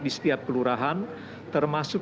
di setiap kelurahan termasuk